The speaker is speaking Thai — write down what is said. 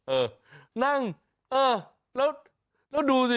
เออนั่งเออแล้วดูสิ